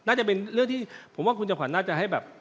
น่าจะเป็นเรื่องที่ผมว่าคุณจำขวัญน่าจะให้แบบ